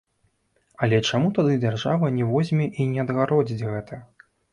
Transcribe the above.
Але чаму тады дзяржава не возьме і не адгародзіць гэта?